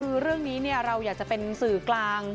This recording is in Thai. คือเรื่องนี้เราอยากจะเป็นสื่อกลาง